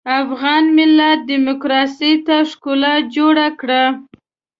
افغان ملت ډيموکراسۍ ته ښکلا جوړه کړه.